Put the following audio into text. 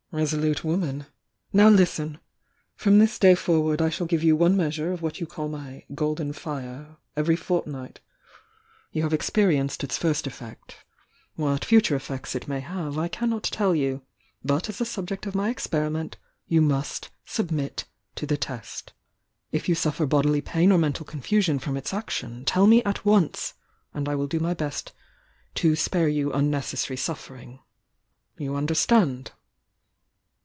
"Resolute woman! Now listen! From this day forward I shall give you one measure of what you call my 'golden fire' every fortnight. You have ex 282 THE VOTING DIANA I. . k if perienccd its first effect. What future effects '♦ may have I cannot tell you. But as the subject .: my experiment you must submit to the test. If you suffer bodily pain or mental confusion from its ac tion tell me at once, and I will do my best to spare you unnecessary suffering. You understand?"